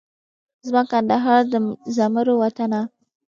زما کندهاره د زمرو وطنه